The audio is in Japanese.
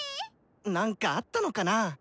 何かあったのかな？